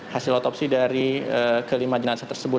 hasil otopsi dari kelima jenazah tersebut